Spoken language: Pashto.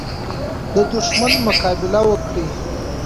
د دښمن مقابله وکړه.